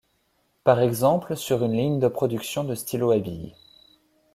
Par exemple sur une ligne de production de stylos à bille.